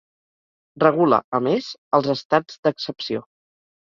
Regula a més els estats d'excepció.